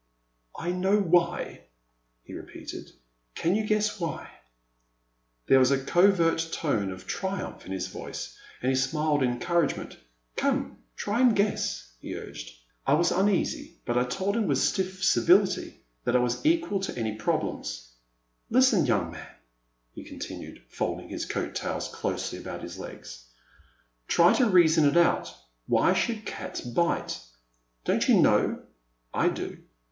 I know why," he repeated; can you guess why ?" There was a covert tone of triumph in his voice and he smiled encouragement. Come, try and guess," he urged. I was uneasy, but I told him with stiff civility that I was unequal to problems. Listen, young man," he continued, folding his coat tails closely about his legs — try to The Man at the Next Table. 359 reason it out; why should cats bite ? Don't you know? I do."